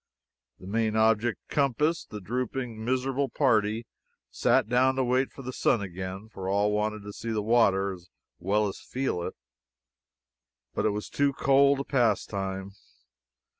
The main object compassed, the drooping, miserable party sat down to wait for the sun again, for all wanted to see the water as well as feel it. But it was too cold a pastime.